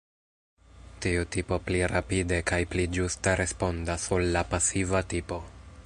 Tiu tipo pli rapide kaj pli ĝuste respondas ol la pasiva tipo.